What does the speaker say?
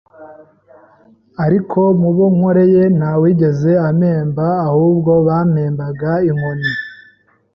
ariko mu bo nkoreye nta wigeze ampemba ahubwo bampembaga inkoni.